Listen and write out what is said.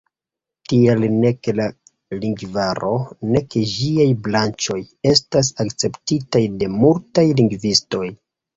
Tial nek la lingvaro, nek ĝiaj branĉoj, estas akceptitaj de multaj lingvistoj.